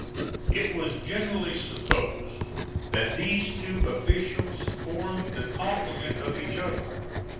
It was generally supposed that these two officials formed the complement of each other.